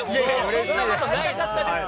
そんなことないですよ。